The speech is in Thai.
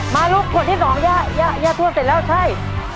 มาลูกขวดที่๒ยาทั่วเสร็จแล้วใช่